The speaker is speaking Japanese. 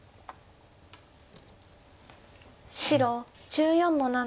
白１４の七。